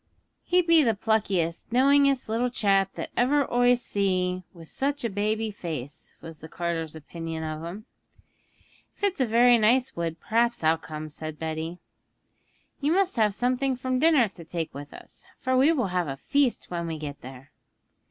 'He be the pluckiest, knowingest little chap that ever oi see wi' such a baby face!' was the carter's opinion of him. 'If it's a very nice wood perhaps I'll come,' said Betty. 'You must save something from dinner to take with us, for we will have a feast when we get there.'